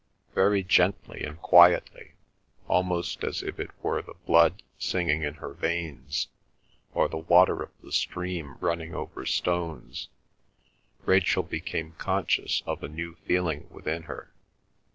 Very gently and quietly, almost as if it were the blood singing in her veins, or the water of the stream running over stones, Rachel became conscious of a new feeling within her.